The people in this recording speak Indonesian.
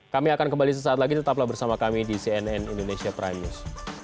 kami akan kembali sesaat lagi tetaplah bersama kami di cnn indonesia prime news